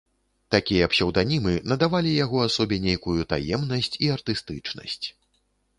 Такія псеўданімы надавалі яго асобе нейкую таемнасць і артыстычнасць.